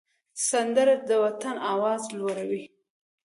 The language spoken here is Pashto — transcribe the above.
سندره د وطن آواز لوړوي